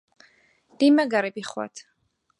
لێ مەگەڕێ بیخوات.